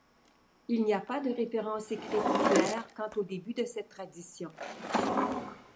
Il n'y a pas de références écrites claires quant au début de cette tradition.